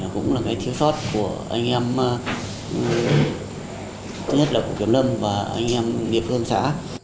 cũng là cái thiếu sót của anh em thứ nhất là của kiểm lâm và anh em địa phương xã